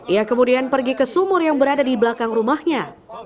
ia kemudian pergi ke sumur yang berada di belakang rumahnya